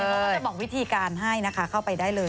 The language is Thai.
เขาก็จะบอกวิธีการให้นะคะเข้าไปได้เลย